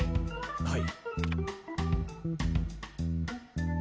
はい。